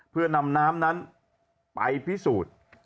เพื่อนำน้ำนั้นไปพิสูจน์